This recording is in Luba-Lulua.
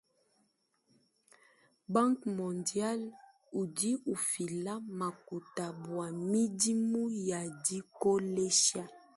Banque mondiale udi ufila makuta bua midimu ya dikolesha.